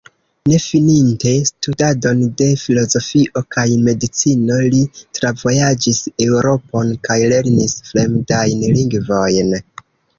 Ne fininte studadon de filozofio kaj medicino, li travojaĝis Eŭropon kaj lernis fremdajn lingvojn.